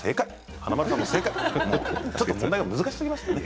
華丸さんも正解質問が難しすぎましたね。